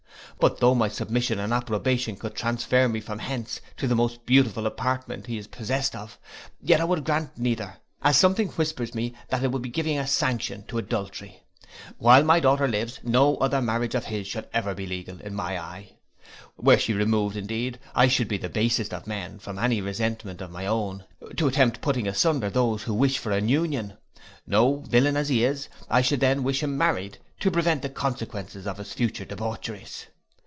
But though my submission and approbation could transfer me from hence, to the most beautiful apartment he is possessed of; yet I would grant neither, as something whispers me that it would be giving a sanction to adultery. While my daughter lives, no other marriage of his shall ever be legal in my eye. Were she removed, indeed, I should be the basest of men, from any resentment of my own, to attempt putting asunder those who wish for an union. No, villain as he is, I should then wish him married, to prevent the consequences of his future debaucheries.